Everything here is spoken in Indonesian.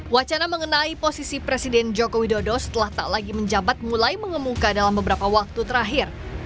wacana mengenai posisi presiden joko widodo setelah tak lagi menjabat mulai mengemuka dalam beberapa waktu terakhir